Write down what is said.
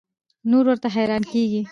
نو ورته حېران کيږي